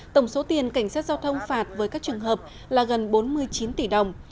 tổng số tiền cảnh sát giao thông phạt với các trường hợp là gần bốn mươi chín tỷ đồng